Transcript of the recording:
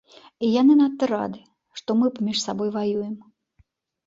І яны надта рады, што мы паміж сабой ваюем.